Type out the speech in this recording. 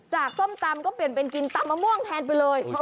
ส้มตำก็เปลี่ยนเป็นกินตำมะม่วงแทนไปเลย